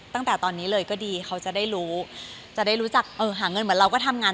ตั้งแต่ตอนนี้เลยก็ดีเขาจะได้รู้จะได้รู้จักเออหาเงินเหมือนเราก็ทำงาน